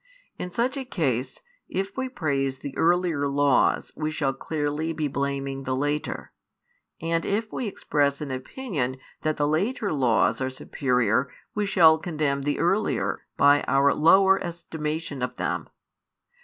In such a case, if we praise the earlier laws we shall clearly be blaming the later, and if we express an opinion that the later laws are superior we shall condemn the earlier by our lower estimation of them.